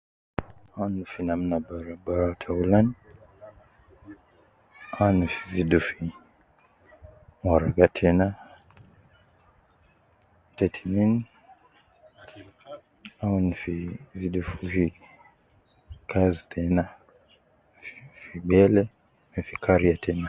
Awun fi namna barawu barawu ta awulan awun fi zidu waraga tenna , ta tinin awun fi zidu fi kazi tenna, bele ma fi kariya tenna.